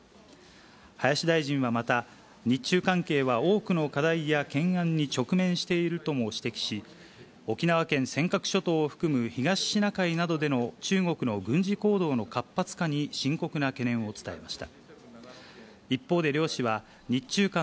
林大臣はまた、日中関係は多くの課題や懸案に直面しているとも指摘し、沖縄県尖閣諸島を含む、東シナ海などでの中国の軍事行動の活発化に深刻な懸念を伝えました。